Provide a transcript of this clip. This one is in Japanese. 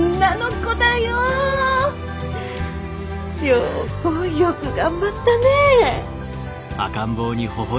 良子よく頑張ったね。